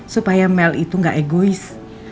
supaya mel itu gak egois